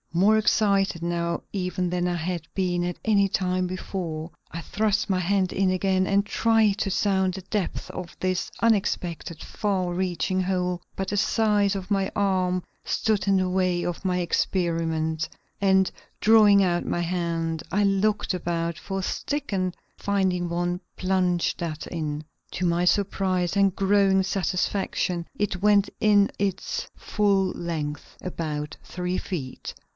More excited now even than I had been at any time before, I thrust my hand in again and tried to sound the depth of this unexpected far reaching hole; but the size of my arm stood in the way of my experiment, and, drawing out my hand, I looked about for a stick and finding one, plunged that in. To my surprise and growing satisfaction it went in its full length about three feet.